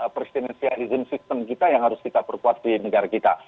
presidensialism sistem kita yang harus kita perkuat di negara kita